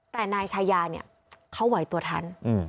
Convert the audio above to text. แต่นายชายาเนี่ยเขาไหวตัวทัน